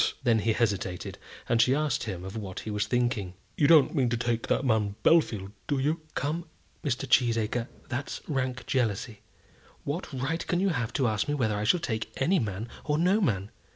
Then he hesitated, and she asked him of what he was thinking. "You don't mean to take that man Bellfield, do you?" "Come, Mr. Cheesacre, that's rank jealousy. What right can you have to ask me whether I shall take any man or no man?